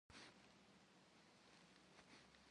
Strausır Afrikem yi khum ş'ıp'exem şopszu.